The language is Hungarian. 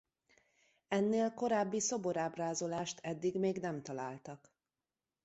Ennél korábbi szobor ábrázolást eddig még nem találtak.